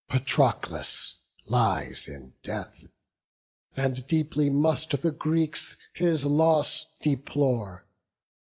Patroclus lies in death; And deeply must the Greeks his loss deplore.